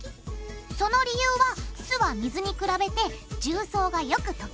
その理由は酢は水に比べて重曹がよく溶けるから。